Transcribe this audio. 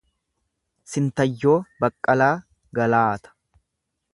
Sintayyoo Baqqalaa Galaata